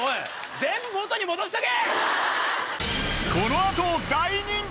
全部元に戻しとけ！